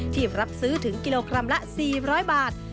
รับซื้อถึงกิโลกรัมละ๔๐๐บาท